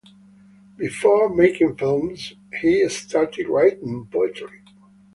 Before making films he started writing poetry.